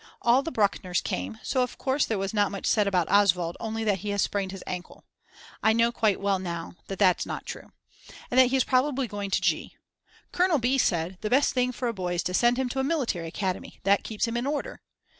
All the Bruckners came, so of course there was not much said about Oswald only that he has sprained his ankle, (I know quite well now that that's not true) and that he is probably going to G. Colonel B. said: The best thing for a boy is to send him to a military academy, that keeps him in order.